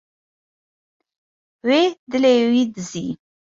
Wê dilê wî dizî.